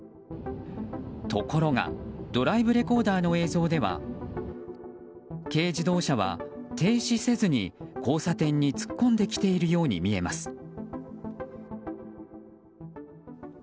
ところがドライブレコーダーの映像では軽自動車は停止せずに、交差点に突っ込んできているように速報です。